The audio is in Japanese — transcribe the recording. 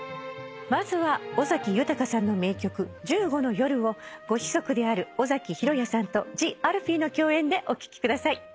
まずは尾崎豊さんの名曲『１５の夜』をご子息である尾崎裕哉さんとＴＨＥＡＬＦＥＥの共演でお聴きください。